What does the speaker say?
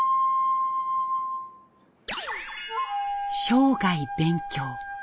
「生涯勉強」。